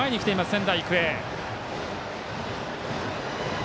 仙台育英。